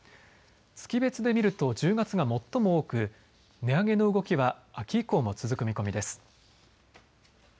月別で見ると１０月が最も多く値上げの動きは秋以降も続く見込みです。